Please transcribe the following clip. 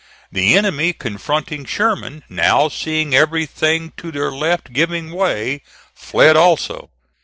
The enemy confronting Sherman, now seeing everything to their left giving way, fled also.